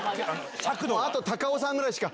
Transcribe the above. あと高尾山くらいしか。